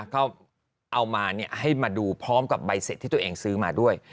ก็เอามาให้มาดูพร้อมกับใบเสร็จที่ตัวเองซื้อมาด้วย